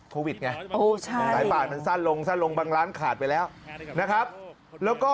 โควิดไงสายปากมันสั้นลงบางล้านขาดไปแล้วนะครับแล้วก็